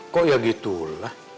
kok ya gitu lah